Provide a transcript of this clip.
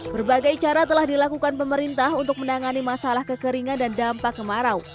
berbagai cara telah dilakukan pemerintah untuk menangani masalah kekeringan dan dampak kemarau